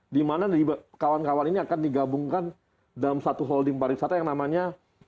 dimana kawan kawan ini akan digabungkan dalam satu holding pariwisata yang namanya